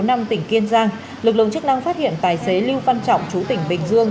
lực lượng chức năng phát hiện tài xế lưu văn trọng chú tỉnh bình dương